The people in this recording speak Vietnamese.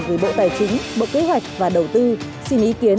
gửi bộ tài chính bộ kế hoạch và đầu tư xin ý kiến